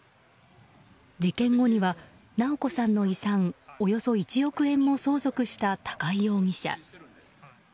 事件後には直子さんの遺産およそ１億円も相続した高井容疑者。